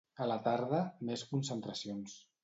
A la tarda, més concentracions.